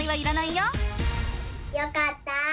よかった！